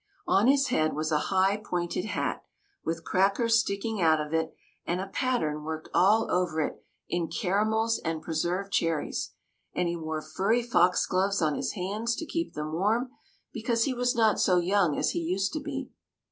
On his head was a high pointed hat, with crackers sticking out THE MAGICIAN^S TEA PARTY 35 of it and a pattern worked all over it in cara mels and preserved cherries ; and he wore furry foxgloves on his hands to keep them warm, because he was not so young as he used to be.